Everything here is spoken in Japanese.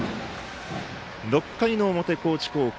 ６回の表、高知高校。